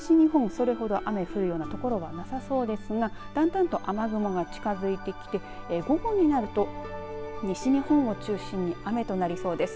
それほど雨降るような所はなさそうですがだんだんと雨雲が近づいてきて午後になると西日本を中心に雨となりそうです。